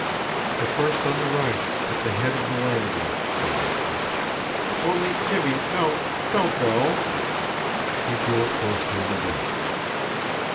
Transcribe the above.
"The first on the right, at the head of the landing," she answered. "Only, Jimmie, don't don't go!" He drew her close to him again.